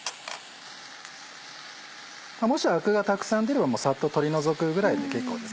もしアクがたくさん出ればサッと取り除くぐらいで結構です。